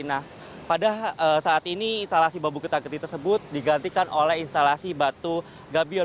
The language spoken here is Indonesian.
nah pada saat ini instalasi bambu getah getih tersebut digantikan oleh instalasi batu gabion